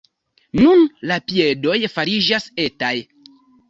Nun la piedoj fariĝas etaj.